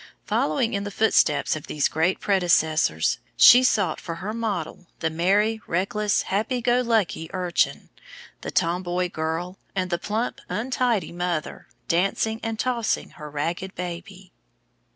Following in the footsteps of these great predecessors, she sought for her models "the merry, reckless, happy go lucky urchin; the tomboy girl; and the plump, untidy mother, dancing and tossing her ragged baby."